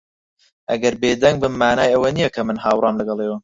ئەگەر بێدەنگ بم، مانای ئەوە نییە کە من ھاوڕام لەگەڵ ئێوە.